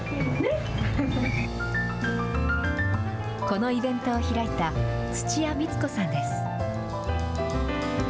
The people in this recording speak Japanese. このイベントを開いた、土屋光子さんです。